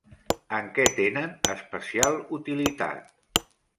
En què tenen especial utilitat?